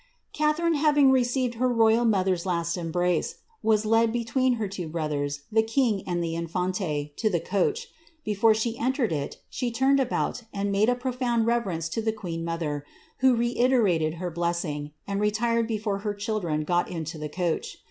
tharine having received her royal mother's last embrace, was led be I her two brothers, the king and the infante, to the coach. Before she ed it, she turned about and made a profound reverence to the queen pr, who reiterated her blessing, and retired before her children got he coach.